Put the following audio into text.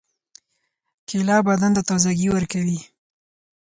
کېله بدن ته تازګي ورکوي.